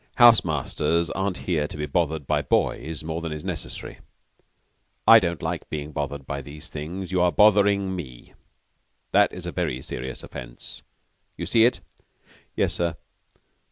"House masters aren't here to be bothered by boys more than is necessary. I don't like being bothered by these things. You are bothering me. That is a very serious offense. You see it?" "Yes, sir."